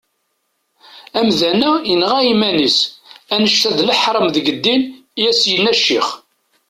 Amdan-a yenɣa iman-is, annect-a d leḥram deg ddin, i as-yenna ccix.